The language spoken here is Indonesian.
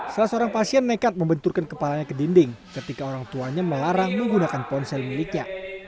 salah seorang pasien nekat membenturkan kepalanya ke dinding ketika orang tuanya melarang menggunakan ponsel miliknya